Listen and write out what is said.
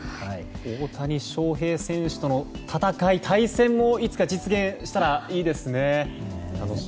大谷翔平選手との対戦もいつか実現したらいいですね。